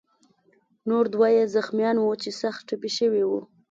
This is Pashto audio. نور دوه یې زخمیان وو چې سخت ټپي شوي وو.